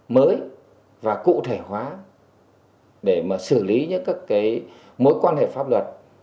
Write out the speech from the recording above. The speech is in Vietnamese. mới và cụ thể hóa để mà xử lý những các cái mối quan hệ pháp luật